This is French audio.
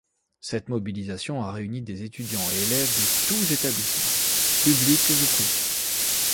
Cette mobilisation a réuni des étudiants et élèves de tous établissements: publics ou privés.